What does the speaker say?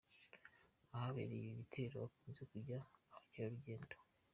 Ahabere ibi bitero hakunze kujya abakerarugendo.